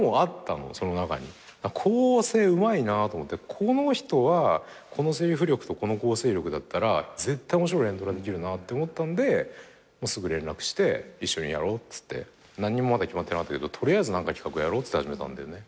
この人はこのせりふ力とこの構成力だったら絶対面白い連ドラできるなって思ったんでもうすぐ連絡して一緒にやろうっつって何にもまだ決まってなかったけど取りあえず企画やろうっつって始めたんだよね。